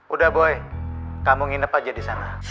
udah boy kamu nginep aja di sana